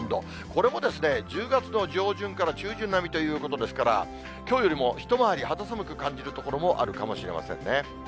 これも１０月の上旬から中旬並みということですから、きょうよりも一回り肌寒く感じる所もあるかもしれませんね。